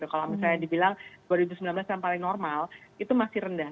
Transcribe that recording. kalau misalnya dibilang dua ribu sembilan belas yang paling normal itu masih rendah